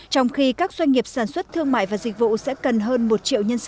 trong khi các doanh nghiệp sản xuất thương mại và dịch vụ sẽ cần hơn một triệu nhân sản